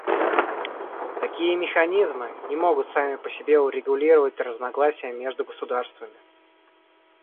Такие механизмы не могут сами по себе урегулировать разногласия между государствами.